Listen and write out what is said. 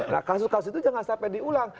nah kasus kasus itu jangan sampai diulang